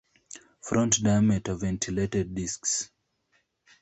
Front diameter ventilated discs.